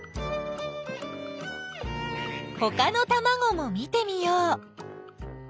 ほかのたまごも見てみよう！